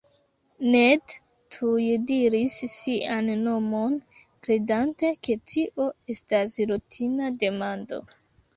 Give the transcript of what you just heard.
Ned tuj diris sian nomon, kredante ke tio estas rutina demando.